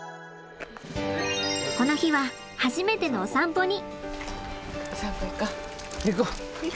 この日は初めてのお散歩に。